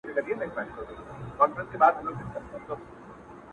o خو دې به سمعې څو دانې بلــــي كړې ـ